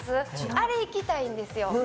あれ行きたいんですよ。